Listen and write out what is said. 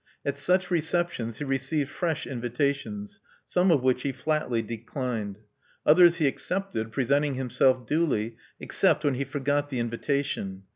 At such receptions he received fresh invitations, some of which he flatly declined. Others he accepted, pre senting himself duly, except when he forgot the invita tion.